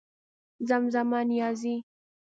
زمزمه نيازۍ